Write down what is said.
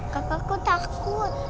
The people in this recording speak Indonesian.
kakak kok takut